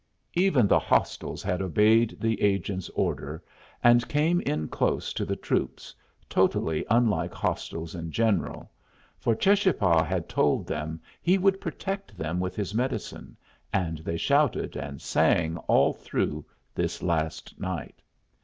Even the hostiles had obeyed the agent's order, and came in close to the troops, totally unlike hostiles in general; for Cheschapah had told them he would protect them with his medicine, and they shouted and sang all through this last night.